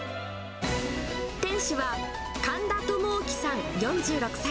店主は神田智興さん４６歳。